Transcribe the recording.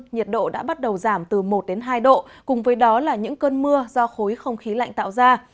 nhiệt độ đã bắt đầu giảm từ một đến hai độ cùng với đó là những cơn mưa do khối không khí lạnh tạo ra